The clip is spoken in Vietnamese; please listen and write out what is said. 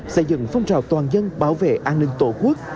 xây dựng phong trào toàn dân bảo vệ an ninh tổ quốc